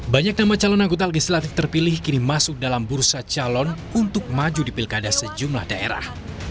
banyak nama calon anggota legislatif terpilih kini masuk dalam bursa calon untuk maju di pilkada sejumlah daerah